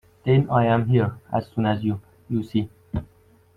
Then I am here as soon as you, you see.